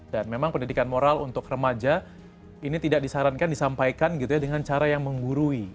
dan memang pendidikan moral untuk remaja ini tidak disarankan disampaikan gitu ya dengan cara yang menggurui